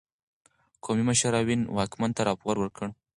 قومي مشاورین واکمن ته راپور ورکړ.